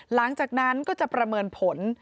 หลังจากนั้นก็จะประเมินผล